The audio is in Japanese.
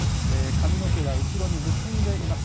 髪の毛は後ろに結んでいます。